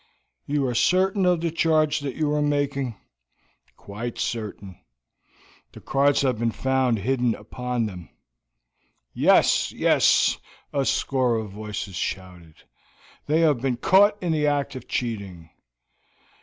"You are certain of the charge that you are making?" "Quite certain; the cards have been found hidden upon them." "Yes, yes!" a score of voices shouted; "they have been caught in the act of cheating."